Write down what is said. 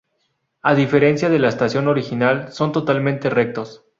A diferencia de la estación original son totalmente rectos.